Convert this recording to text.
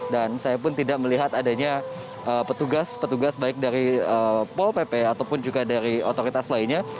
dan saya pun tidak melihat adanya petugas petugas baik dari pol pp ataupun juga dari otoritas lainnya